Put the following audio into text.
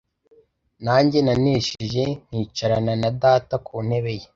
nanjye nanesheje nkicarana na Data ku ntebe ye.